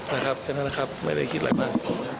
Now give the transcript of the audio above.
ท่านท่านครับท่านท่านครับไม่ได้คิดหลายมาก